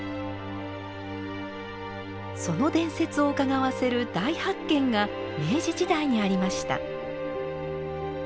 その伝説をうかがわせる「大発見」が明治時代にありました。